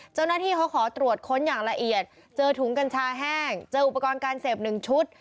เจ้าหน้าที่เขาขอตรวจค้นอย่างละเอียดเจอถุงกัญชาแห้งเจออุปกรณ์การเสพ๑ชุด